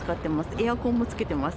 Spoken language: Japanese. エアコンもつけてます。